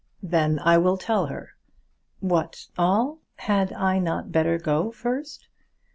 "Then I will tell her." "What, all? Had I not better go first?"